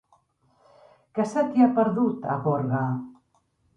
Què se t'hi ha perdut, a Gorga?